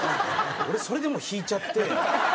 俺それでもう引いちゃって。